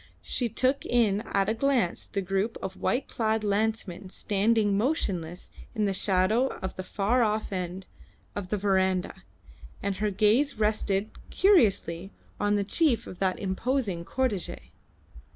She took in at a glance the group of white clad lancemen standing motionless in the shadow of the far off end of the verandah, and her gaze rested curiously on the chief of that imposing cortege.